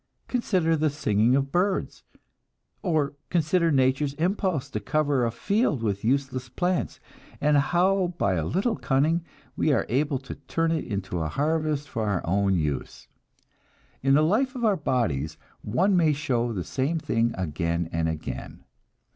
Consider the singing of the birds! Or consider nature's impulse to cover a field with useless plants, and how by a little cunning, we are able to turn it into a harvest for our own use! In the life of our bodies one may show the same thing again and again.